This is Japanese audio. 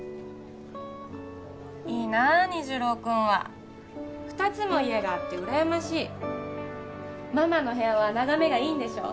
いいな虹朗君は２つも家があってうらやましいママの部屋は眺めがいいんでしょ？